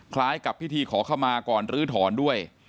คล้ายกับพิธีขอเข้ามาก่อนลื้อถอนด้วย